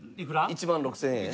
１万６０００円。